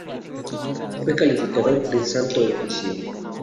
Fue calificador del Santo Oficio.